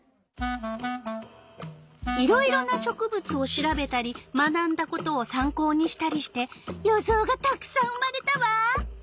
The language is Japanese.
いろいろな植物を調べたり学んだことをさん考にしたりして予想がたくさん生まれたわ！